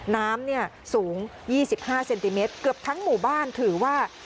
น้ำเนี่ยสูง๒๕เซนติเมตรเกือบทั้งหมู่บ้านถือว่า